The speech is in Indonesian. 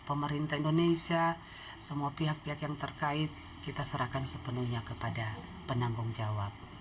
pemerintah indonesia semua pihak pihak yang terkait kita serahkan sepenuhnya kepada penanggung jawab